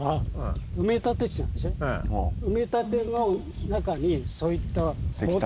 埋め立ての中にそういったボタを。